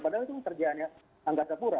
padahal itu kerjaannya anggasa pura